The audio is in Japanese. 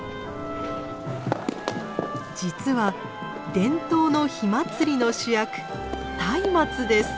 実は伝統の火祭りの主役松明です。